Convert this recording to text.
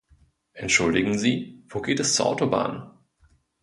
Entschuldigen Sie, wo geht es zur Autobahn?